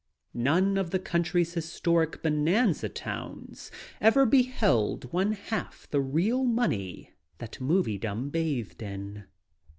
None of the country's historic bonanza towns ever beheld one half the real money that Moviedom bathed in.